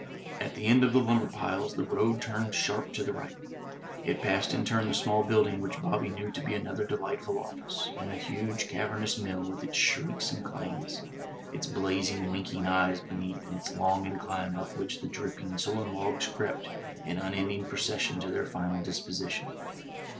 At the end of the lumber piles the road turned sharp to the right. It passed in turn the small building which Bobby knew to be another delightful office, and the huge cavernous mill with its shrieks and clangs, its blazing, winking eyes beneath, and its long incline up which the dripping, sullen logs crept in imending procession to their final disposition.